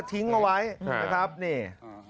ทิ้งเอาไว้นะครับนี่